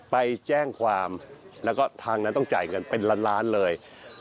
ไปแจ้งความแล้วก็ทางนั้นต้องจ่ายเงินเป็นล้านล้านเลย